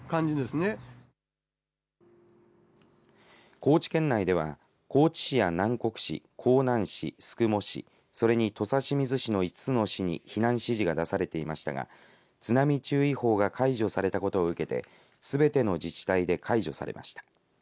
高知県内では高知市や南国市、香南市、宿毛市、それに土佐清水市の５つの市に避難指示が出されていましたが津波注意報が解除されたことを受けてすべての自治体で解除されました。